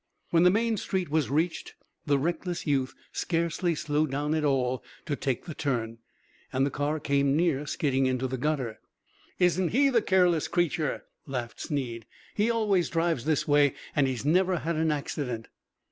When the main street was reached the reckless youth scarcely slowed down at all to take the turn, and the car came near skidding into the gutter. "Isn't he the careless creature!" laughed Snead. "He always drives this way, and he's never had an accident."